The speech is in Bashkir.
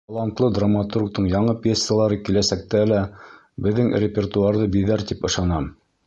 Талантлы драматургтың яңы пьесалары киләсәктә лә беҙҙең репертуарҙы биҙәр тип ышанам.